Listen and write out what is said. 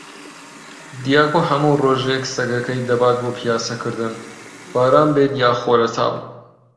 دیاکۆ هەموو ڕۆژێک سەگەکەی دەبات بۆ پیاسەکردن، باران بێت یان خۆرەتاو.